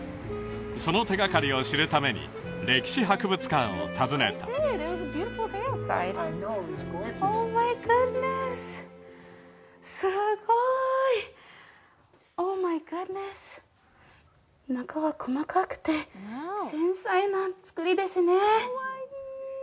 その手がかりを知るために歴史博物館を訪ねたすごいオーマイグッドネス中は細かくて繊細な作りですね